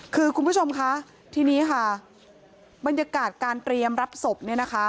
คือคุณผู้ชมคะทีนี้ค่ะบรรยากาศการเตรียมรับศพเนี่ยนะคะ